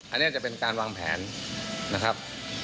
อันนี้จะเป็นการวางแผนนะครับ